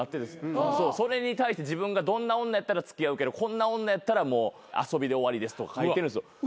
それに対して自分がどんな女やったら付き合うけどこんな女やったら遊びで終わりとか書いてるんですよ。